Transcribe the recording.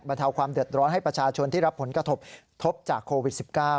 เทาความเดือดร้อนให้ประชาชนที่รับผลกระทบทบจากโควิด๑๙